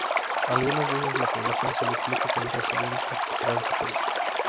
Algunas veces la población se duplica con residentes transitorios.